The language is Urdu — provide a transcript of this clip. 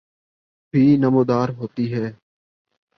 بھی نمودار ہوتی ہیں